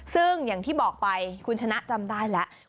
ซึ่งอย่างที่บอกไปคุณชนะจำได้แล้ว